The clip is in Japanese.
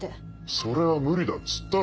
それは無理だっつったろ。